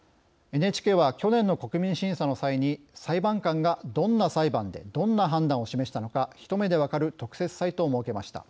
ＮＨＫは、去年の国民審査の際に裁判官がどんな裁判でどんな判断を示したのか一目で分かる特設サイトを設けました。